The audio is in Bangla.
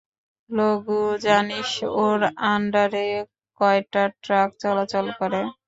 লগু, জানিস ওর আন্ডারে কয়টা ট্রাক চলাচল করে?